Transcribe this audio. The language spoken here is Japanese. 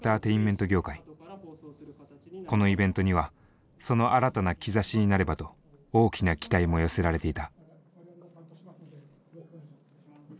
このイベントにはその新たな兆しになればと大きな期待も寄せられていた。